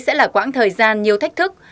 sẽ là quãng thời gian nhiều thách thức